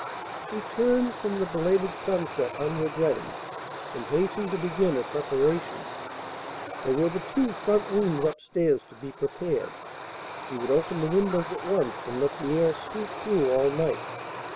She turned from the belated sunset unregretting, and hastened to begin her preparations. There were the two front rooms up stairs to be prepared. She would open the windows at once, and let the air sweep through all night.